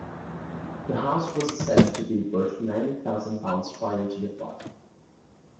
The house was assessed to be worth ninety thousand pounds prior to the flood.